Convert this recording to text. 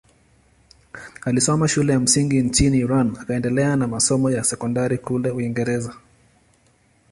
Alisoma shule ya msingi nchini Iran akaendelea na masomo ya sekondari kule Uingereza.